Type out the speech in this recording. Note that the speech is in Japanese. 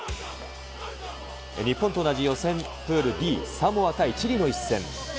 日本と同じ予選プールＤ、サモア対チリの一戦。